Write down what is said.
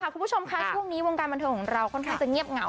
คุณผู้ชมค่ะช่วงนี้วงการบันเทิงของเราค่อนข้างจะเงียบเหงา